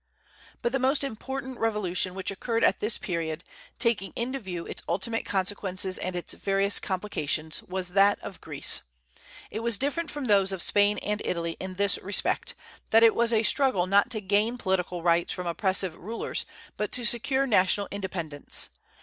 But the most important revolution which occurred at this period, taking into view its ultimate consequences and its various complications, was that of Greece. It was different from those of Spain and Italy in this respect, that it was a struggle not to gain political rights from oppressive rulers, but to secure national independence.